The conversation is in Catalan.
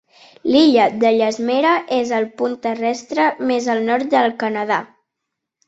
L'illa d'Ellesmere és el punt terrestre més al nord del Canadà.